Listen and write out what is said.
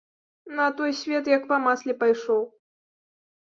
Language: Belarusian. На той свет, як па масле, пайшоў.